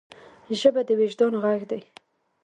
ژبه د وجدان ږغ ده.